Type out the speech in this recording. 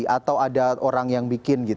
atau ada orang yang bikin